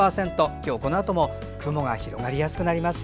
今日このあとも雲が広がりやすくなります。